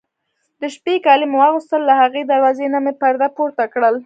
د شپې کالي مې واغوستل، له هغې دروازې نه مې پرده پورته کړل.